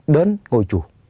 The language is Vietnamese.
đến ngôi chùa